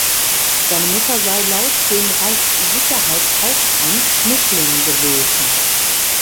Seine Mutter sei laut dem Reichssicherheitshauptamt Mischling gewesen.